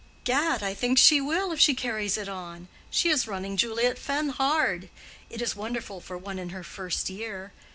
"Gad, I think she will, if she carries it on! she is running Juliet Fenn hard. It is wonderful for one in her first year.